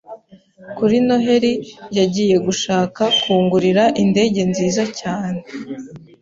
Kuri Noheri yagiye gushaka kungurira indege nziza cyane